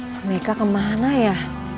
mereka kemana ya